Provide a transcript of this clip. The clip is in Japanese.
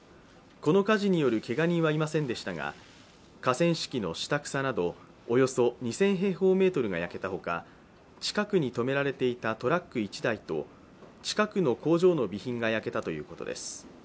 この火事によるけが人はいませんでしたが河川敷の下草などおよそ２０００平方メートルが焼けたほか近くに止められていたトラック１台と、近くの工場の備品が焼けたということです。